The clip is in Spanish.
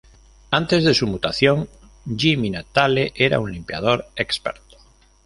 Antes de su mutación, Jimmy Natale era un limpiador experto.